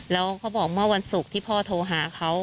แล้วเขาบอกเมื่อวันศุกร์ที่พ่อโทรหาเขา